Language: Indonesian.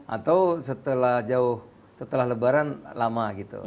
atau setelah lebaran lama